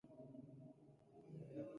مخلوط باید د عراده جاتو په مقابل کې پایدار وي